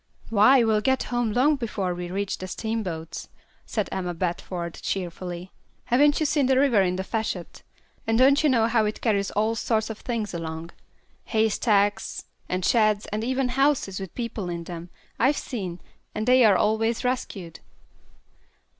"Why, we'll get home long before we reach the steamboats," said Emma Bradford, cheerfully. "Haven't you seen the river in a freshet? and don't you know how it carries all sorts of things along? haystacks, and sheds, and even houses with people in them, I've seen, and they are always rescued."